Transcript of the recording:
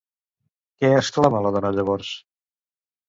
Què exclama la dona llavors?